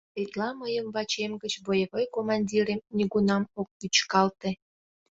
Тетла мыйым вачем гыч боевой командирем нигунам ок вӱчкалте.